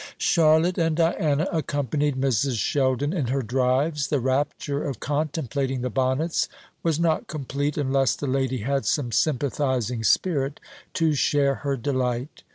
Charlotte and Diana accompanied Mrs. Sheldon in her drives. The rapture of contemplating the bonnets was not complete unless the lady had some sympathising spirit to share her delight.